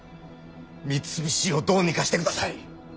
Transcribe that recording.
三菱をどうにかしてください！